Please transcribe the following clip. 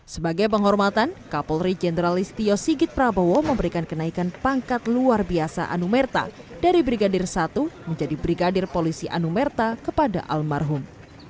sebagai penghormatan kapolri jenderal istio sigit prabowo memberikan kenaikan pangkat luar biasa anumerta dari brigadir satu menjadi brigadir polisi anumerta kepada almarhum